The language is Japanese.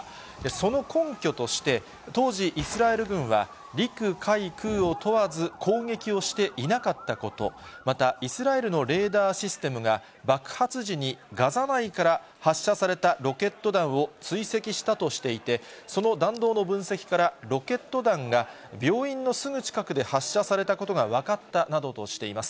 その根拠として、当時、イスラエル軍は陸海空を問わず攻撃をしていなかったこと、またイスラエルのレーダーシステムが、爆発時にガザ内から発射されたロケット弾を追跡したとしていて、その弾道の分析から、ロケット弾が病院のすぐ近くで発射されたことが分かったなどとしています。